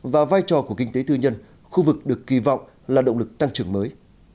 và vai trò của kinh tế tư nhân khu vực được kỳ vọng là động lực tăng trưởng mới